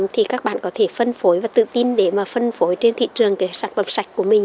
thì các bạn có thể phân phối và tự tin để mà phân phối trên thị trường cái sản phẩm sạch của mình